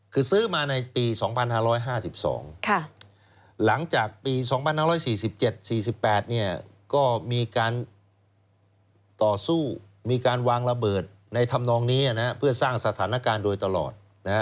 คือซื้อมาในปี๒๕๕๒หลังจากปี๒๕๔๗๔๘ก็มีการต่อสู้มีการวางระเบิดในธรรมนองนี้เพื่อสร้างสถานการณ์โดยตลอด